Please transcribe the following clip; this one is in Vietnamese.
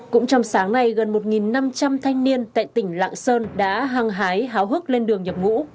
cũng trong sáng nay gần một năm trăm linh thanh niên tại tỉnh lạng sơn đã hăng hái háo hức lên đường nhập ngũ